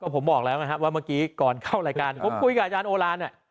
ผมบอกแล้วนะครับว่าเมื่อกี้ก่อนเข้ารายการผมคุยกับอาจารย์โอลาน